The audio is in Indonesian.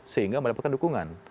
sehingga mendapatkan dukungan